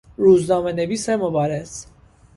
روزنامه نویس مبارز